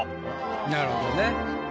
なるほどね。